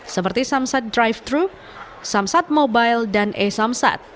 seperti samsat drive thru samsat mobile dan e samsat